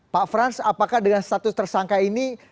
pak frans apakah dengan status tersangka ini